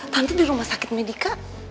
tante di rumah sakit medika